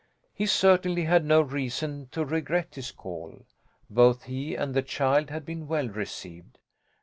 He certainly had no reason to regret his call. Both he and the child had been well received.